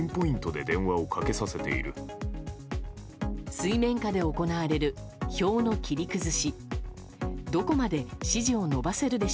水面下で行われる票の切り崩し。